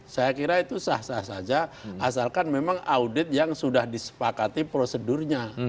saya kira itu sah sah saja asalkan memang audit yang sudah disepakati prosedurnya